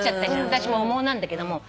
私も羽毛なんだけども。